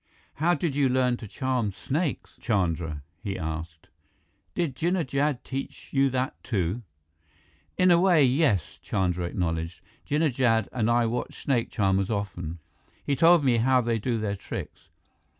How did you learn to charm snakes, Chandra?" he asked. "Did Jinnah Jad teach you that, too?" "In a way, yes," Chandra acknowledged. "Jinnah Jad and I watched snake charmers often. He told me how they do their tricks."